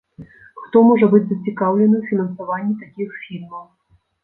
Хто можа быць зацікаўлены ў фінансаванні такіх фільмаў?